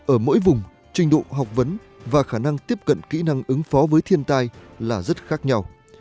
ở mỗi vùng trình độ học vấn và khả năng tiếp cận kỹ năng ứng phó với thiên tai là rất khác nhau